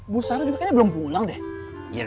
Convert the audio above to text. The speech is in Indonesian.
mas hary juga kayaknya belum pulang deh